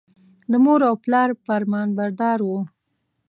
د مور او پلار فرمانبردار و.